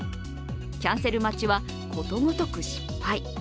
キャンセル待ちはことごとく失敗。